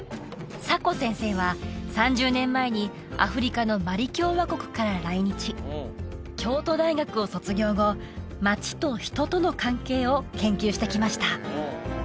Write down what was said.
サコ先生は３０年前にアフリカのマリ共和国から来日京都大学を卒業後町と人との関係を研究してきました